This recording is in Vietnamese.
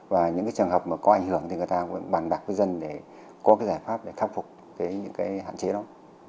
và những trường hợp mà có ảnh hưởng thì người ta cũng bàn đặt với dân để có cái giải pháp để khắc phục những hạn chế đó